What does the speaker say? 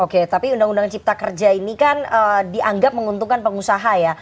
oke tapi undang undang cipta kerja ini kan dianggap menguntungkan pengusaha ya